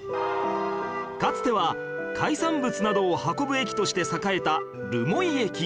かつては海産物などを運ぶ駅として栄えた留萌駅